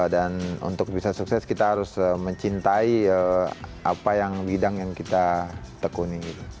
dan untuk bisa sukses kita harus mencintai apa yang bidang yang kita tekuni